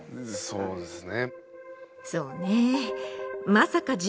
そうですね。